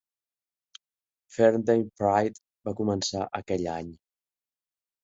Ferndale Pride va començar aquell any.